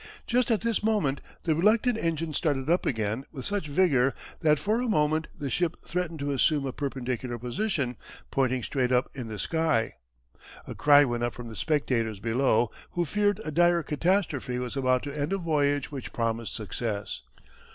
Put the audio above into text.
Just at this moment the reluctant engine started up again with such vigour that for a moment the ship threatened to assume a perpendicular position, pointing straight up in the sky. A cry went up from the spectators below who feared a dire catastrophe was about to end a voyage which promised success.